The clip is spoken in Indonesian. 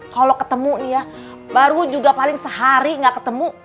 kalo ketemu ya baru juga paling sehari ga ketemu